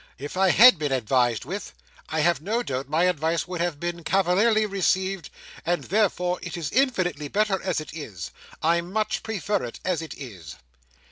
If I had been advised with, I have no doubt my advice would have been cavalierly received, and therefore it is infinitely better as it is. I much prefer it as it is."